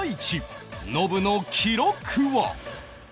ノブの記録は